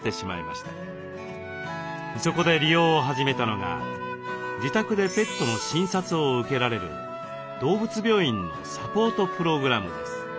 そこで利用を始めたのが自宅でペットの診察を受けられる動物病院のサポートプログラムです。